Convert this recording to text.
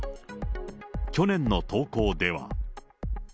去年の投稿では。